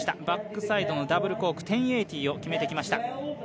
バックサイドのダブルコーク１０８０を決めてきました。